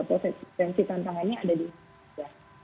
potensi tantangannya ada di sini